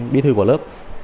bí thư của lớp